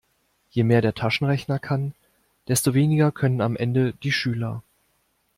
Je mehr der Taschenrechner kann, desto weniger können am Ende die Schüler.